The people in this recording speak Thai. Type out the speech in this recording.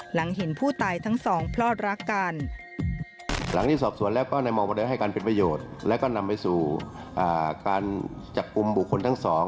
หลังเห็นผู้ตายทั้งสองเพราะรักกัน